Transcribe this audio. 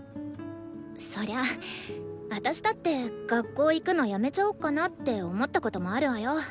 そりゃ私だって学校行くのやめちゃおっかなって思ったこともあるわよ。